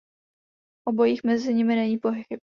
O bojích mezi nimi není pochyb.